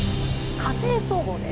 「家庭総合」です。